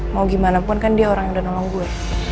mau gimana pun kan dia orang udah nolong gue